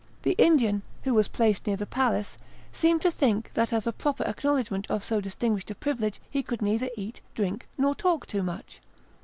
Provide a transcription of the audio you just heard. The Indian, who was placed near the prince, seemed to think that as a proper acknowledgment of so distinguished a privilege he could neither eat, drink, nor talk too much.